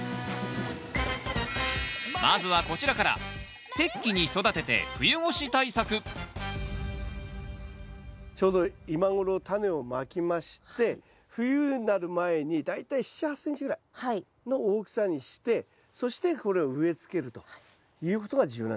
まずはこちらからちょうど今頃タネをまきまして冬になる前に大体７８ｃｍぐらいの大きさにしてそしてこれを植えつけるということが重要なんですね。